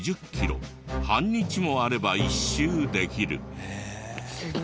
半日もあれば１周できる。